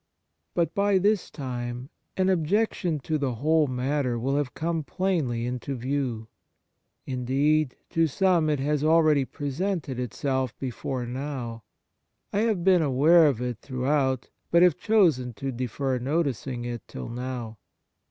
' But by this time an objection to the whole matter will have come plainly into view. Indeed, to some it has already presented itself before now. I have been aware of it throughout, but have chosen to defer noticing it till now.